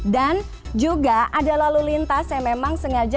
dan juga ada lalu lintas yang memang sengaja dibuat